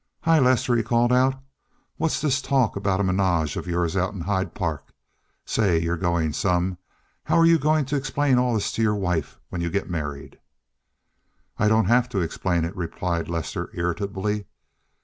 "Hi, Lester!" he called out, "what's this talk about a ménage of yours out in Hyde Park? Say, you're going some. How are you going to explain all this to your wife when you get married?" "I don't have to explain it," replied Lester irritably.